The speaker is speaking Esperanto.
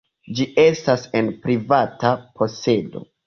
Ĝi estas en privata posedo.